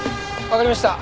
わかりました。